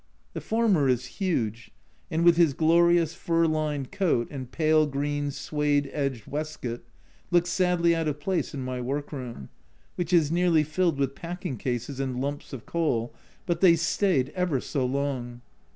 The former is huge, and with his glorious fur lined coat and pale green suede edged waistcoat, looked sadly out of place in my work room, which is nearly filled with packing cases and lumps of coal, but they stayed ever so long.